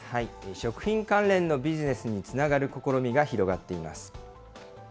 食品関連のビジネスにつながる試みが広がっています。